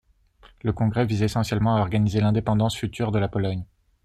Le congrès vise essentiellement à organiser l'indépendance future de la Pologne.